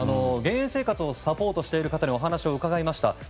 減塩生活をサポートしている方にお話を伺いました。